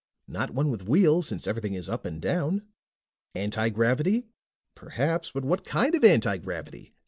Not one with wheels, since everything is up and down. Anti gravity? Perhaps, but what kind of anti gravity?